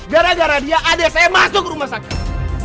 gara gara dia ada saya masuk rumah sakit